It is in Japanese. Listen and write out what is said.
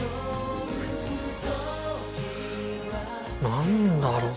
何だろう？